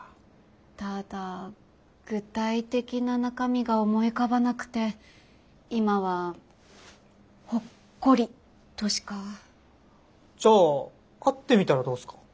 ただ具体的な中身が思い浮かばなくて今はほっこりとしか。じゃあ会ってみたらどうすか？